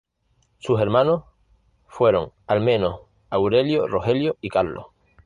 Sus hermanos fueron, al menos, Aurelio, Rogelio y Carlos.